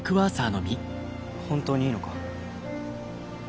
本当にいいのか？